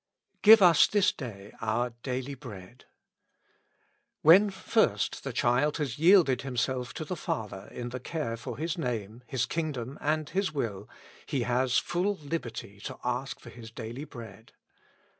" Give ns this day our daily bread.'''' When first the child has yielded himself to the Father in the care for His Name, His Kingdom, and His Will, he has full liberty to ask for his daily bread.